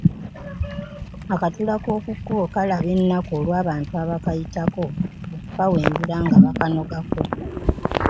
Akatula k’oku kkubo kalaba ennaku olw’abantu abakayitako okukawenjula nga bakanogako.